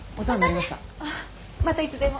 またいつでも。